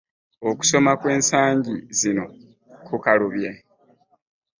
Okusoma kwensangi zino ku kalubye.